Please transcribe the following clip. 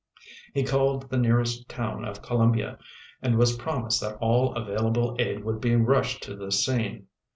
He called the nearest town of Columbia and was promised that all available aid would be rushed to the scene.